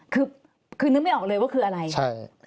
คือนึกไม่ออกเลยว่าคืออะไร